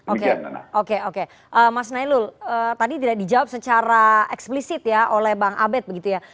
oke oke oke mas nailul tadi tidak dijawab secara eksplisit ya oleh bang abed begitu ya